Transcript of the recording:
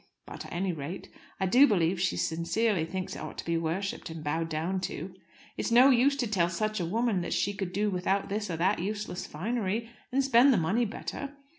But, at any rate, I do believe she sincerely thinks it ought to be worshipped and bowed down to. It's no use to tell such a woman that she could do without this or that useless finery, and spend the money better.